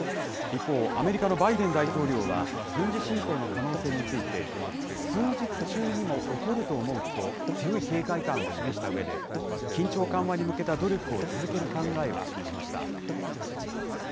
一方、アメリカのバイデン大統領は、軍事侵攻の可能性について、数日中にも起こると思うと、強い警戒感を示したうえで、緊張緩和に向けた努力を続ける考えを示しました。